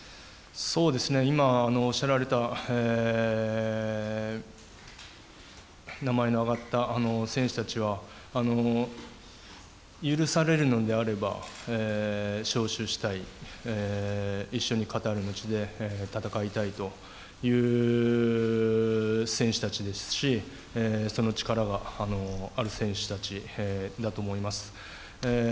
今おっしゃられた、名前の挙がった選手たちは許されるのであれば招集したい、一緒にカタールの地で戦いたいという選手たちですし、その力がある選手たちだと思います。